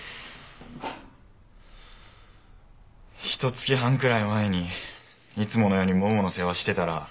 ひと月半くらい前にいつものようにももの世話してたら。